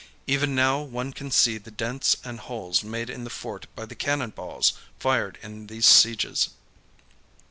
Even now one can see the dents and holes made in the fort by the cannon balls fired in these sieges.